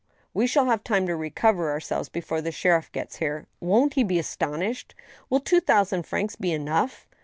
" We shall have time to recover ourselves before the sheriff gets here. Won't he be astonished !... Will two thousand francs be enough?